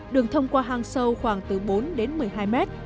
đường thông qua hang sâu khoảng từ bốn đến một mươi hai mét